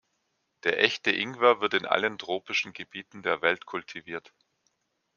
Der Echte Ingwer wird in allen tropischen Gebieten der Welt kultiviert.